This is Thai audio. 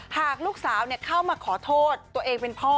หากลูกสาวเข้ามาขอโทษตัวเองเป็นพ่อ